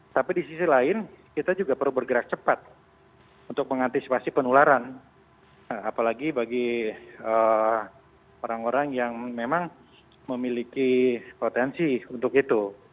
tapi di sisi lain kita juga perlu bergerak cepat untuk mengantisipasi penularan apalagi bagi orang orang yang memang memiliki potensi untuk itu